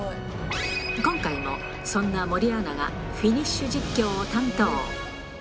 今回もそんな森アナが、フィニッシュ実況を担当。